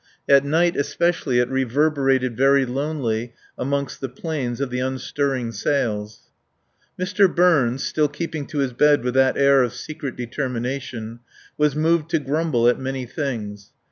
At night especially it reverberated very lonely amongst the planes of the unstirring sails. Mr. Burns, still keeping to his bed with that air of secret determination, was moved to grumble at many things.